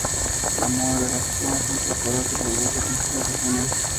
La muda de las plumas de su cola se produce a principios de junio.